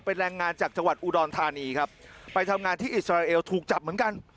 เป็นแรงงานจากจังหวัดอุดรธานีครับไปทำงานที่อิสราเอลถูกจับเหมือนกัน